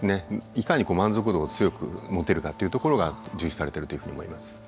いかに満足度を強く持てるかっていうところが重視されてるというふうに思います。